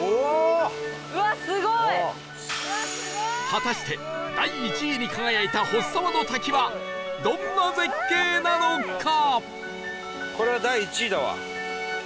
果たして第１位に輝いた払沢の滝はどんな絶景なのか？